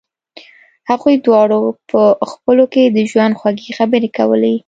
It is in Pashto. هغوی دواړو په خپلو کې د ژوند خوږې خبرې کولې